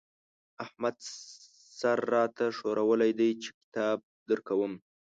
احمد سر را ته ښورولی دی چې کتاب درکوم.